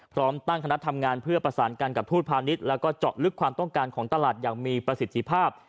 พร้อมตั้งคณะทำงานเพื่อประสานกันกับทูตพาณิชย์แล้วก็เจาะลึกความต้องการของตลาดอย่างมีประสิทธิภาพ